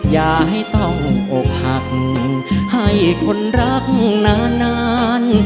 อย่าให้ต้องอกหักให้คนรักนาน